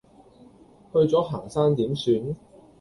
去咗行山點算？